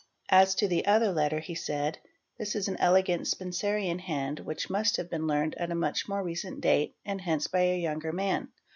"'|} As to the other letter he said: '"'This is an elegant Spenseria hand, which must have been learned at a much more recent date, an hence by a younger man.